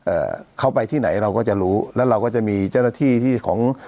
เอ่อเข้าไปที่ไหนเราก็จะรู้แล้วเราก็จะมีเจ้าหน้าที่ที่ของ